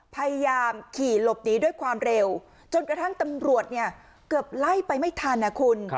พยายามขี่หลบหนีด้วยความเร็วจนกระทั่งตำรวจเนี่ยเกือบไล่ไปไม่ทันนะคุณ